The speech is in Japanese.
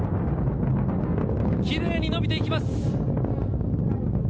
奇麗に伸びていきます。